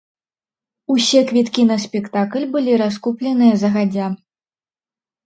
Усе квіткі на спектакль былі раскупленыя загадзя.